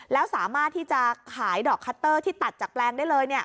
แล้วสามารถที่จะขายดอกคัตเตอร์ที่ตัดจากแปลงได้เลย